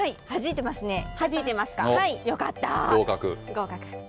合格。